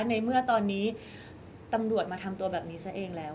ในเมื่อตอนนี้ตำรวจมาทำตัวแบบนี้ซะเองแล้ว